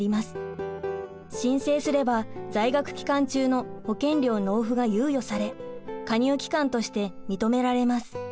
申請すれば在学期間中の保険料納付が猶予され加入期間として認められます。